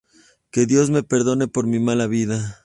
Que Dios me perdone por mi mala vida.